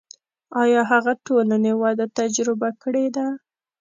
آیا هغه ټولنې وده تجربه کړې ده.